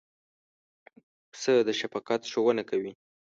پسه د شفقت ښوونه کوي.